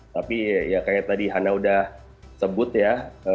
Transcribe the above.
tapi ya kayak tadi hana udah sebut ya